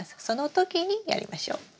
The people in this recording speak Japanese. その時にやりましょう。